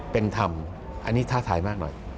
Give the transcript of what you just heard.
เป็นธรรมอันนี้ท้าทายมากหน่อย